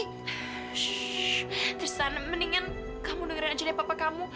shhh tristan mendingan kamu dengerin aja dari papa kamu